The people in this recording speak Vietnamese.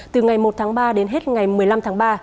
từ ngày một tháng ba đến hết ngày một mươi năm tháng ba